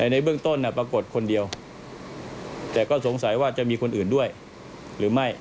ในเบื้องต้นปรากฏคนเดียวแต่ก็สงสัยว่าจะมีคนอื่นด้วยหรือไม่